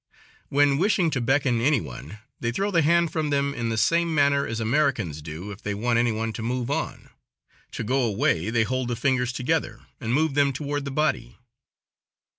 When wishing to beckon any one, they throw the hand from them in the same manner as Americans do if they want any one to move on. To go away, they hold the fingers together and move them toward the body.